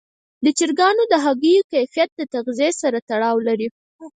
د چرګانو د هګیو کیفیت د تغذیې سره تړاو لري.